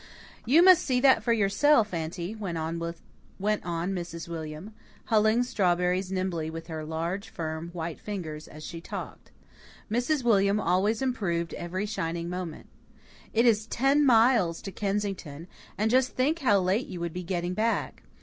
"You must see that for yourself, Aunty," went on Mrs. William, hulling strawberries nimbly with her large, firm, white fingers as she talked. Mrs. William always improved every shining moment. "It is ten miles to Kensington, and just think how late you would be getting back.